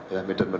mn merdeka barat